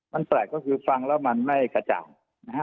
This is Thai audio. มันแปลกก็คือฟังแล้วมันไม่กระจ่างนะฮะ